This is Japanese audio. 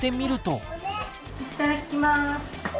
いっただきます。